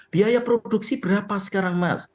biaya produksi berapa sekarang mas